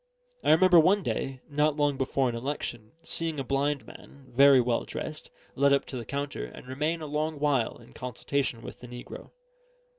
I remember one day, not long before an election, seeing a blind man, very well dressed, led up to the counter and remain a long while in consultation with the negro.